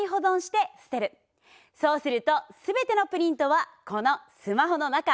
そうすると全てのプリントはこのスマホの中。